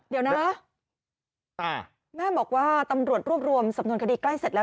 เดี๋ยวนะแม่บอกว่าตำรวจรวบรวมสำนวนคดีใกล้เสร็จแล้ว